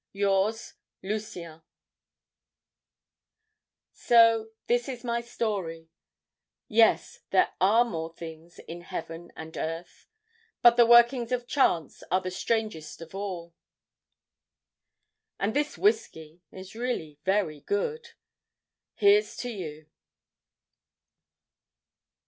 "Yours "LUCIEN." "So this is my story. Yes, 'there are more things in heaven and earth ' But the workings of Chance are the strangest of all. And this whisky is really very good. Here's to you."